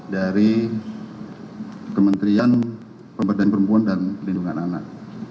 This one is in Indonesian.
dari kementerian pemberdayaan perempuan dan pelindungan anak